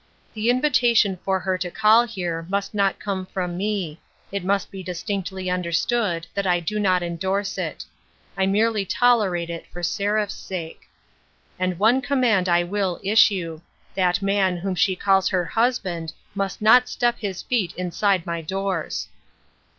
The invitation to her to call here must not come from me ; it must be dis tinctly understood that I do not endorse it ; I merely tolerate it for Seraph's sake. And one command I will issue : that man whom she calls her husband must not step his feet inside my doors."